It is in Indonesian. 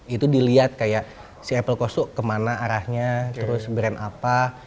itu dilihat kayak si apple coast kemana arahnya terus brand apa